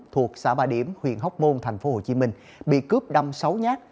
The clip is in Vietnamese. thuộc xã ba điểm huyện hóc môn tp hcm bị cướp đâm sáu nhát